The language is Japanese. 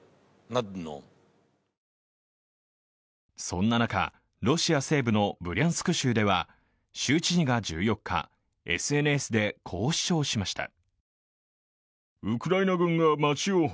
そんな中、ロシア西部のブリャンスク州では州知事が１４日、ＳＮＳでこう主張しました。